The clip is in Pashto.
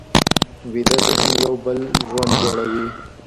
ویده ذهن یو بل ژوند جوړوي